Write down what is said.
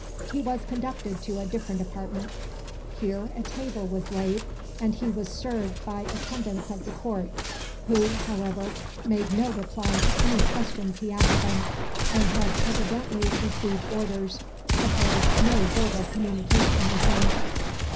He was conducted to a different apartment. Here a table was laid, and he was served by attendants of the court; who, however, made no reply to any questions he asked them, and had evidently received orders to hold no verbal communication with him.